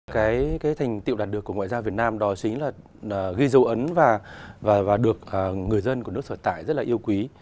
cái thành tiệu đạt được của ngoại giao việt nam đó chính là ghi dấu ấn và được người dân của nước sở tại rất là yêu quý